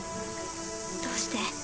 どうして？